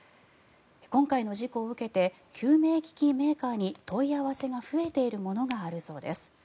今回の事故を受けて救命機器メーカーに問い合わせが増えているものがあるそうです。